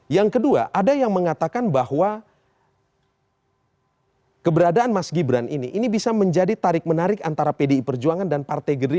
yang kedua ada yang mengatakan bahwa keberadaan mas gibran ini bisa menjadi tarik menarik antara pdi perjuangan dan partai gerindra